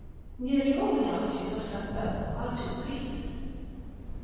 Nearly all the arches of San Fermo are two pieced.